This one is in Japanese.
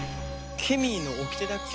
ケミーの掟だっけ？